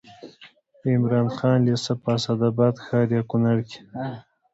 د عمراخان لېسه په اسداباد ښار یا کونړ کې